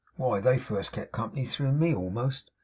Why, they first kept company through me, a'most.